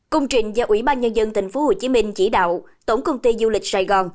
công trình do ủy ban nhân dân tp hcm chỉ đạo tổng công ty du lịch sài gòn